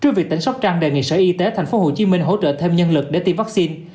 trước việc tỉnh sóc trăng đề nghị sở y tế thành phố hồ chí minh hỗ trợ thêm nhân lực để tiêm vaccine